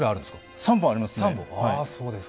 ３本あります。